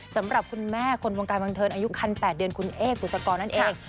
สำหรับคุณแม่คนวงการบันเทิงอายุคัน๘เดือนคุณเอ๊กุศกรนั่นเอง